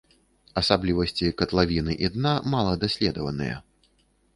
Асаблівасці катлавіны і дна мала даследаваныя.